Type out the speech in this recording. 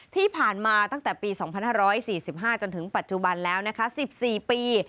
ที่ผ่านมาตั้งแต่ปี๒๕๔๕จนถึงปัจจุบันแล้วนะคะ๑๔ปี